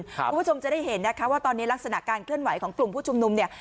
คุณผู้ชมจะได้เห็นนะคะว่าตอนนี้ลักษณะการเคลื่อนไหวของกลุ่มผู้ชุมนุมเนี่ย